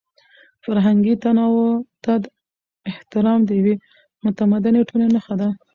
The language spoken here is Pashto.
فرهنګي تنوع ته احترام د یوې متمدنې ټولنې نښه ده.